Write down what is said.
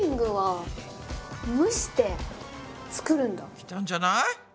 きたんじゃない？